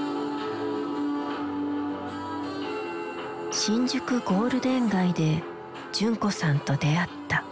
新宿ゴールデン街で純子さんと出会った。